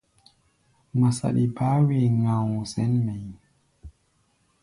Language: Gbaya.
Ŋma saɗi baá wee ŋgao sɛ̌n mɛʼí̧.